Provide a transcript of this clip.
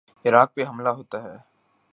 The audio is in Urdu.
عراق پہ حملہ ہوتا ہے۔